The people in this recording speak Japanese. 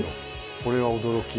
これは驚き。